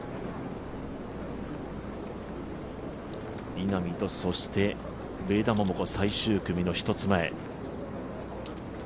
稲見と、そして上田桃子最終組の１つ前。